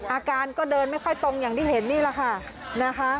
อาการก็เดินไม่ค่อยตรงอย่างที่เห็นนี่แหละค่ะนะคะ